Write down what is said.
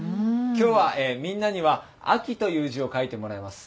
今日はみんなには「あき」という字を書いてもらいます。